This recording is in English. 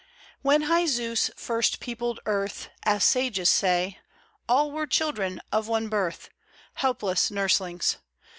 WHEN high Zeus first peopled earth, As sages say, All were children of one birth, Helpless nurslings.